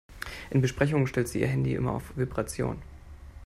In Besprechungen stellt sie ihr Handy immer auf Vibration.